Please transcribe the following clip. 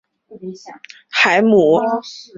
瓦勒海姆。